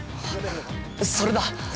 ◆それだ！